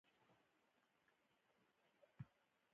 دنده یې د نوي دوج ټاکل و.